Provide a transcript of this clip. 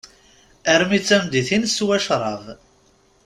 Armi d-tameddit, i neswa crab.